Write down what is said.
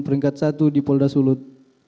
peringkat satu di polda sulut